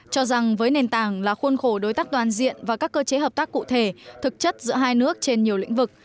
cho rằng với nền tảng là khuôn khổ đối tác toàn diện và các cơ chế hợp tác cụ thể thực chất giữa hai nước trên nhiều lĩnh vực